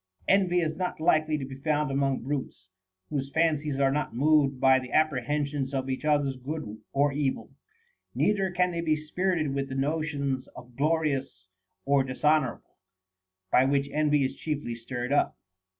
4. Envy is not likely to be found among brutes, whose fancies are not moved by the apprehensions of each other's good or evil ; neither can they be spirited with the notions of glorious or dishonorable, by which envy is chiefly stirred up.